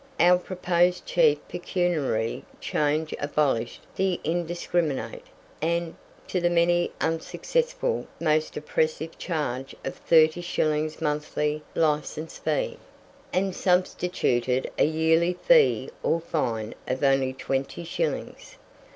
Our proposed chief pecuniary change abolished the indiscriminate, and, to the many unsuccessful, most oppressive charge of 30 shillings monthly license fee, and substituted a yearly fee or fine of only 20 shillings.